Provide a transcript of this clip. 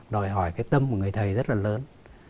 đòi hỏi cái tâm của người thầy rất là lớn